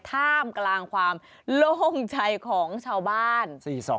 ท่ามกลางความโล่งใจของชาวบ้าน